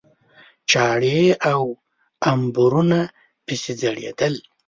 چاړې او امبورونه پسې ځړېدل.